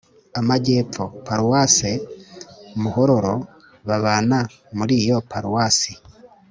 amajyepfo : paroisse muhororo babana muriyo paruwasi